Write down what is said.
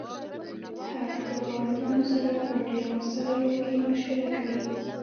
هغه د خپلو ګاونډیانو سره په ډیرو مسائلو کې مشوره کوي